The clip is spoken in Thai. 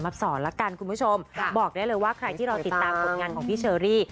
หรือว่าใครที่รอติดตามผลงานของพี่เชอรี่